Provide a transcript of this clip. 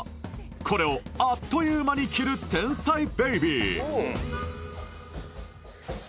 これをあっという間に着る天才ベイビー